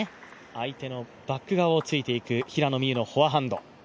相手のバック側をついていく平野美宇のフォアハンド。